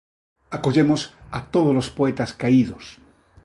Acollemos a tódolos poetas caídos.